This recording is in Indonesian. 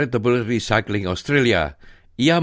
akan dikirim ke toko amal atau tempat pakaian